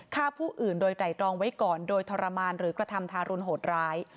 ฆ่าผู้อื่นโดยไตรรองไว้ก่อนโดยทรมานหรือกระทำทารุณโหดร้าย